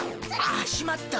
あしまった。